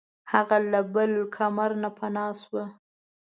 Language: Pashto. هغه له بل کمر نه پناه شوه.